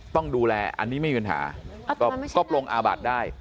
ต้องดูแลอันนี้ไม่มีปัญหาก็ปลงอาบัติได้